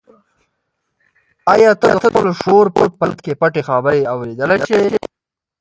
آیا ته د خپل شعور په تل کې پټې خبرې اورېدلی شې؟